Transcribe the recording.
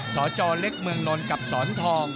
สจเล็กเมืองนนท์กับสอนทอง